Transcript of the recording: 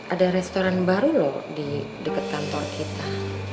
ada restoran baru loh di dekat kantor kita